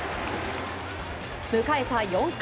迎えた４回。